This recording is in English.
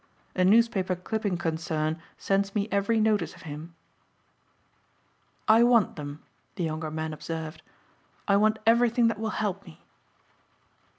"A newspaper clipping concern sends me every notice of him." "I want them," the younger man observed, "I want everything that will help me."